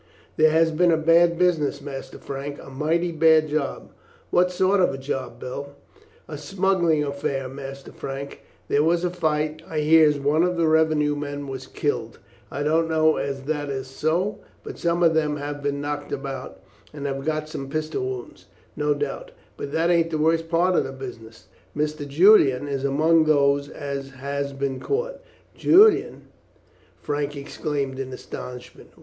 "There has been a bad business, Master Frank, a mighty bad job." "What sort of a job, Bill?" "A smuggling affair, Master Frank. There was a fight. I hears one of the revenue men was killed. I don't know as that is so, but some of them have been knocked about, and have got some pistol wounds, no doubt. But that ain't the worst part of the business. Mr. Julian is among those as has been caught." "Julian!" Frank exclaimed in astonishment.